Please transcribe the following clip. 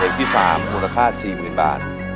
เจ็บที่สามมูลค่าสี่หมื่นบาท